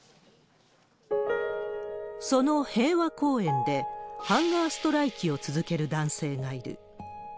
その平和公園で、ハンガーストライキを続ける男性がいる。